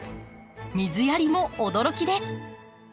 水やりも驚きです。